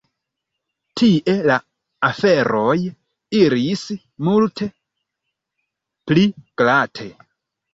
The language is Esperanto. Tie la aferoj iris multe pli glate.